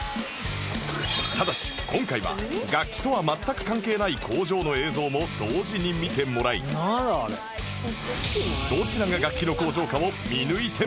ただし今回は楽器とは全く関係ない工場の映像も同時に見てもらいどちらが楽器の工場かを見抜いてもらいます